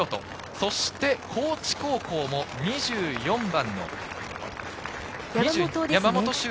そして高知高校も２４番の。